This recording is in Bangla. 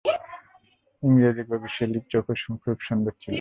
ইংরেজ কবি শেলির চোখও খুব সুন্দর ছিল।